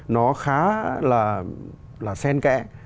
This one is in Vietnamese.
nó khá là sen kẽ